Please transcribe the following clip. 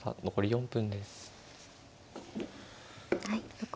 はい残り４分です。